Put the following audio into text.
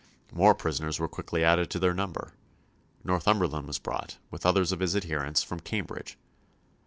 More prisoners were quickly added to their number. Northumberland was brought, with others of his adherents, from Cambridge.